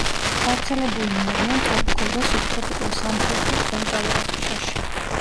გავრცელებულნი არიან ტროპიკულ და სუბტროპიკულ სამხრეთ და ცენტრალურ აფრიკაში.